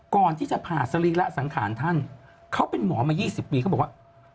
ก่อนที่จะผ่าสรีระสังขารท่านเขาเป็นหมอมา๒๐ปีเขาบอกว่า